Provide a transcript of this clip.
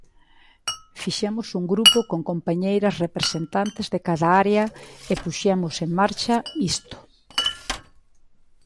Fixemos un grupo con compañeiras representantes de cada área e puxemos en marcha isto.